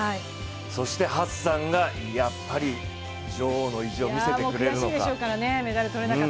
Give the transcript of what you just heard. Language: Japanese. そして、ハッサンがやっぱり女王の意地を見せてくれるか。